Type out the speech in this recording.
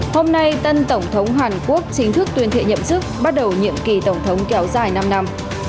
hôm nay tân tổng thống hàn quốc chính thức tuyên thệ nhậm chức bắt đầu nhiệm kỳ tổng thống kéo dài năm năm